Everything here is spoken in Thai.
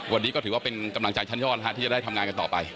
วันนี้ก็ถือว่าเป็นกำลังใจชั้นยอดที่จะได้ทำงานกันต่อไป